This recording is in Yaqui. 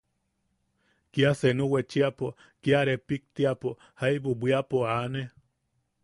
Kia senu wechiapo, kia repiktiapo, jaibu bwiapo aane.